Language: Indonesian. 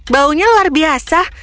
baunya luar biasa